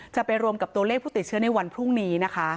จะไปรวมกับตัวเลขผู้ติดเชื้อในวันพรุ่งนี้นะคะ